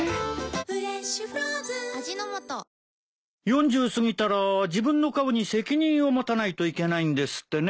４０過ぎたら自分の顔に責任を持たないといけないんですってね。